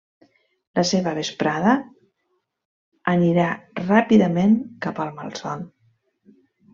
La seva vesprada anirà ràpidament cap al malson.